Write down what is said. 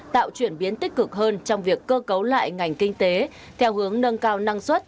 tạo chuyển biến tích cực hơn trong việc cơ cấu lại ngành kinh tế theo hướng nâng cao năng suất